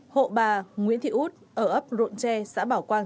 hộ bà nguyễn thị út ở ấp ruộng tre xã bảo quang